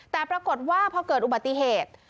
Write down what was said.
แต่ปรากฏว่าพอเกิดอุบัติเหตุ